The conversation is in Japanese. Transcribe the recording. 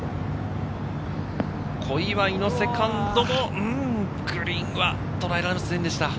小祝のセカンドもグリーンは捉えられませんでした。